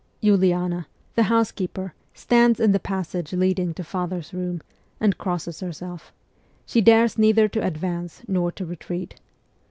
Uliana, the housekeeper, stands in the passage leading to father's room, and crosses herself ; she dares neither to advance nor to retreat.